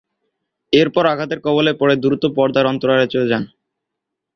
এরপর আঘাতের কবলে পড়ে দ্রুত পর্দার অন্তরালে চলে যান।